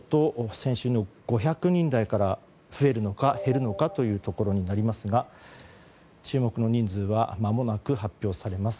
先週の５００人台から増えるのか減るのかというところになりますが注目の人数はまもなく発表されます。